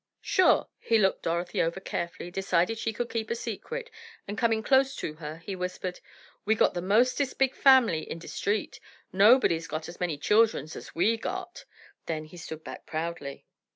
"Sure." He looked Dorothy over carefully, decided she could keep a secret, and coming close to her he whispered: "We got the mostest big family in de street; nobody's got as many childrens as we got!" Then he stood back proudly.